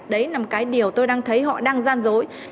đấy là một cái điều tôi đang thấy họ đang gian dối